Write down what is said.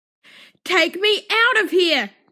Take me out of here!